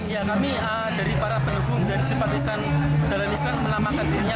ya kami dari para pendukung dari simpatisan dahlan istan menamakan dirinya